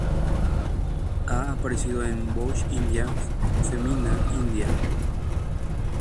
Ha aparecido en Vogue India y Femina India.